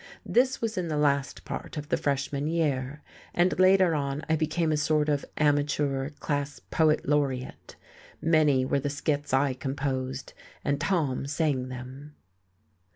This was in the last part of the freshman year, and later on I became a sort of amateur, class poet laureate. Many were the skits I composed, and Tom sang them....